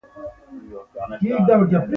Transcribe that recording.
زاړه کسان د ماشومانو د روزنې لپاره وخت ورکوي